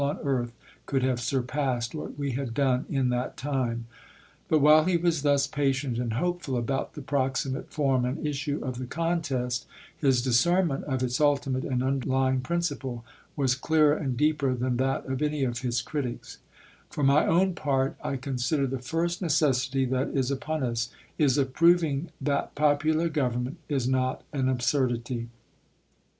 H., on earth could have surpassed what we had done i/ism'. m¥ in that time. But while he was thus patient and hopeful about the proximate form and issue of the contest, his discernment of its ultimate and under lying principle was clearer and deeper than that of any of his critics : For my own part, I consider the first necessity that is upon ns, is of proving that popular government is not an absurdity.